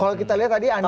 kalau kita lihat tadi anda